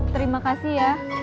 terima kasih ya